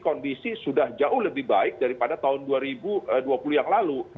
kondisi sudah jauh lebih baik daripada tahun dua ribu dua puluh yang lalu